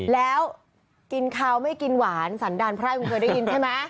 แล้วกินข้าวไม่กินหวานสันดารพระคุณเคยได้ยินใช่ไหม